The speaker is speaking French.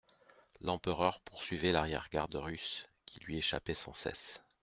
L'empereur poursuivait l'arrière-garde russe, qui lui échappait sans cesse.